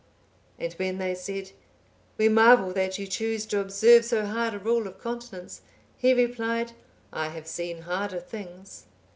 And when they said, "We marvel that you choose to observe so hard a rule of continence," he replied, "I have seen harder things."